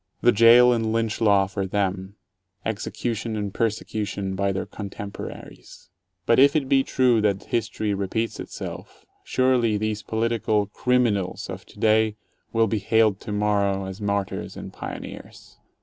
The jail and lynch law for them; execution and persecution by their contemporaries. But if it be true that history repeats itself, surely these political "crim inals" of today will be hailed tomorrow as martyrs and pioneers.